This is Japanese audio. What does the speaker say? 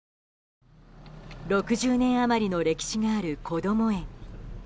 ６０年余りの歴史があるこども園。